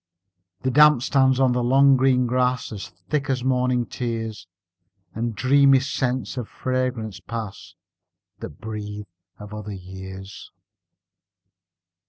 The damp stands on the long green grass As thick as morning's tears, And dreamy scents of fragrance pass That breathe of other years.